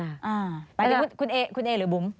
หมายถึงคุณเอหรือบุ๋ม